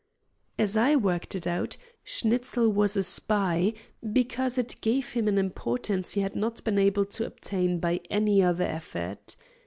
As I worked it out, Schnitzel was a spy because it gave him an importance he had not been able to obtain by any other effort.